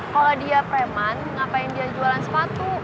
kalau dia preman ngapain dia jualan sepatu